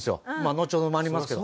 のちほどもありますけど。